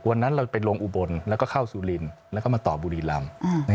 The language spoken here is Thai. วันนั้นเราไปลงอุบลแล้วก็เข้าสุรินทร์แล้วก็มาต่อบุรีรำ